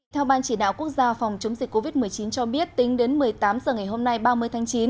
theo ban chỉ đạo quốc gia phòng chống dịch covid một mươi chín cho biết tính đến một mươi tám h ngày hôm nay ba mươi tháng chín